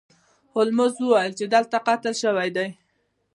هولمز وویل چې دلته قتل شوی دی.